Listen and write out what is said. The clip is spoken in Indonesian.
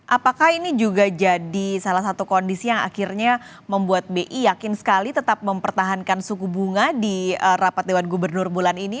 apakah ini juga jadi salah satu kondisi yang akhirnya membuat bi yakin sekali tetap mempertahankan suku bunga di rapat dewan gubernur bulan ini